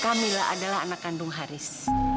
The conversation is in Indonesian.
kamila adalah anak kandung haris